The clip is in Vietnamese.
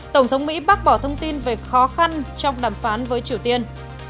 tổng thống mỹ bác bỏ thông tin về khó khăn trong đàm phán với triều tiên